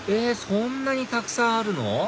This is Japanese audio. そんなにたくさんあるの？